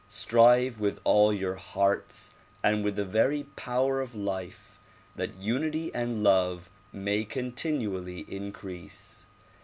Strive with all your hearts and with the veiy power of life that unity and love may continually increase.